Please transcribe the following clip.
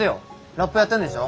ラップやってんでしょ？